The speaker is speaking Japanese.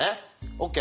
ＯＫ？